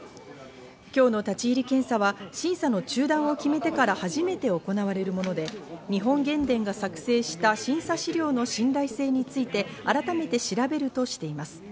今日の立ち入り検査は審査の中断を決めてから初めて行われるもので、日本原電が作成した審査資料の信頼性について改めて調べるとしています。